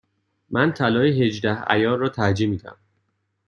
من طلای هجده عیار را ترجیح می دهم.